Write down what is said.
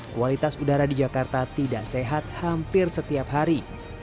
kualitas udara di jakarta tidak sehat hampir setiap hari